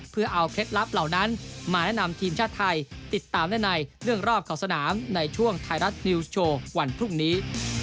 เพื่อเอาเคล็ดลับเหล่านั้นมาแนะนำทีมชาติไทยติดตามได้ในเรื่องรอบของสนามในช่วงไทยรัฐนิวส์โชว์วันพรุ่งนี้